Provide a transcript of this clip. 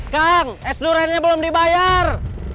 kang es duriannya belum dibayar